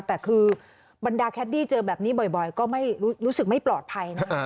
แต่คือบรรดาแคดดี้เจอแบบนี้บ่อยก็ไม่รู้สึกไม่ปลอดภัยนะ